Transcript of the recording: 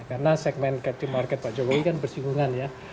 karena segmen captive market pak jokowi kan bersinggungan ya